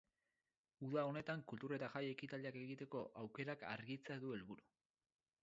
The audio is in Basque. Uda honetan kultur eta jai ekitaldiak egiteko aukerak argitzea du helburu.